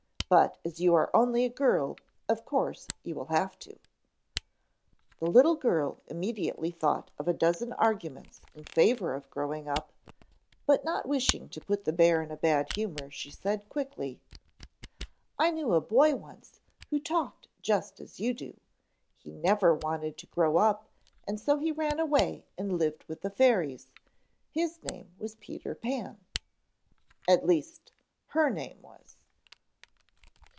But as you are only a girl of course you will have to." The little girl immediately thought of a dozen arguments in favor of growing up; but not wishing to put the bear in a bad humor she said quickly: "I knew a boy once who talked just as you do. He never wanted to grow up and so he ran away and lived with the fairies. His name was Peter Pan. At least her name was."